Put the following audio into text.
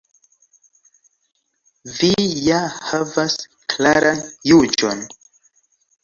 Vi ja havas klaran juĝon.